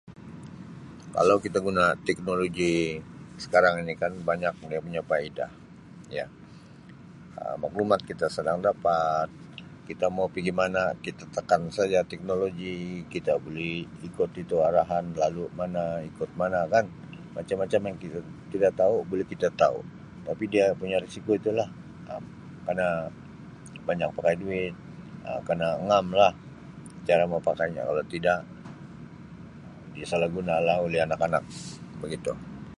Kalau kita guna teknologi sekarang ini kan banyak dia punya faedah, ya. Um Maklumat kita senang dapat, kita mau pigi mana, kita tekan saja teknologi, kita buleh rekod itu arahan lalu mana, ikut mana kan, macam-macam yang kita tidak tau bila kita tau tapi dia punya risiko itulah Um penat, banyak pakai duit, Um kana ngam lah cara mau pakainya kalau tidak disalahgunalah oleh anak-anak.